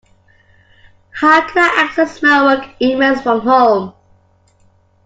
How can I access my work emails from home?